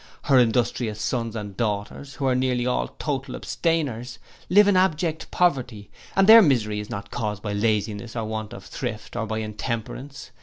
Her industrious sons and daughters, who are nearly all total abstainers, live in abject poverty, and their misery is not caused by laziness or want of thrift, or by Intemperance.